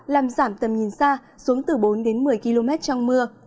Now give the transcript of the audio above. làm giảm tầm nhìn xa xuống từ bốn đến một mươi km trong mưa